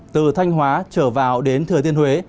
từ thanh hóa trở vào đến thừa tiên huế